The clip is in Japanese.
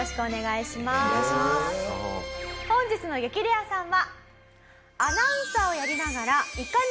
本日の激レアさんは。